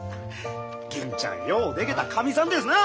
銀ちゃんようでけたかみさんですな！